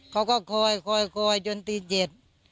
เขาก็คอยจนตีเจ็ด